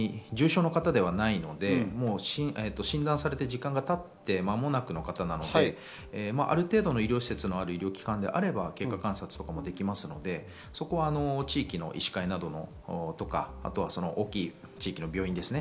打つ方は別に重症の方ではないので、診断されて時間が経って間もなくな方なのである程度の医療施設のある医療機関などは経過観察もできますし、地域の医師会とか、大きい地域の病院ですね。